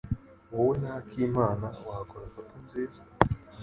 Wowe na Akimana wakora couple nziza.